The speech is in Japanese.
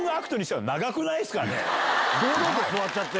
堂々と座っちゃって。